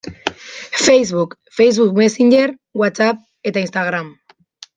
Facebook, Facebook Messenger, Whatsapp eta Instagram.